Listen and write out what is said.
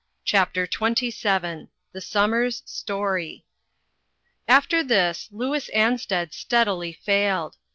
CHAPTER XXVII. THE SUMMER'S STORY. AFTER this Louis Ansted steadily failed.